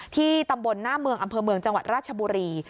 ที่ตำบลหน้าเมืองอำเภอเมืองจังหวัดราชบุรี